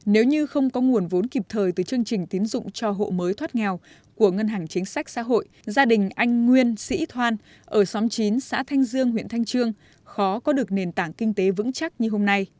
nếu như không có nguồn vốn kịp thời từ chương trình tín dụng cho hộ mới thoát nghèo của ngân hàng chính sách xã hội gia đình anh nguyên sĩ thoan ở xóm chín xã thanh dương huyện thanh trương khó có được nền tảng kinh tế vững chắc như hôm nay